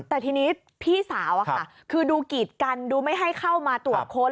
แต่ทีนี้พี่สาวคือดูกีดกันดูไม่ให้เข้ามาตรวจค้น